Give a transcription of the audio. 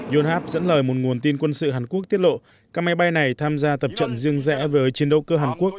yonhap dẫn lời một nguồn tin quân sự hàn quốc tiết lộ các máy bay này tham gia tập trận riêng rẽ với chiến đấu cơ hàn quốc